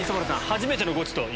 初めてのゴチです